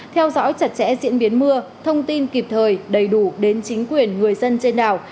theo dõi chặt chẽ diễn biến mưa thông tin kịp thời đầy đủ đến chính quyền người dân trên đảo